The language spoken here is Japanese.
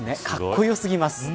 かっこよすぎます。